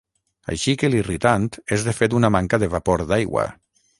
Així que l'irritant és de fet una manca de vapor d'aigua.